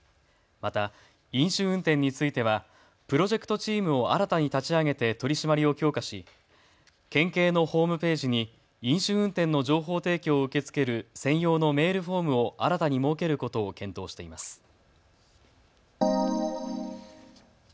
また飲酒運転についてはプロジェクトチームを新たに立ち上げて取締りを強化し、県警のホームページに飲酒運転の情報提供を受け付ける専用のメールフォームを新たに設けることを検討しています。